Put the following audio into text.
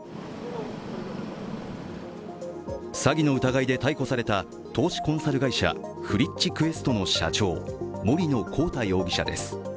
詐欺の疑いで逮捕された投資コンサル会社、ＦＲｉｃｈＱｕｅｓｔの社長、森野広太容疑者です。